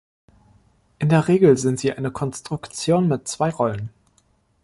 In der Regel sind sie eine Konstruktion mit zwei Rollen.